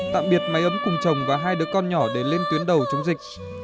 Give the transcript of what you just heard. tạm biệt máy ấm cùng chồng và hai đứa con nhỏ để lên tuyến đầu chống dịch